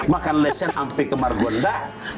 makan leset sampai ke margonda